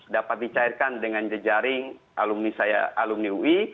dapat dicairkan dengan jejaring alumni saya alumni ui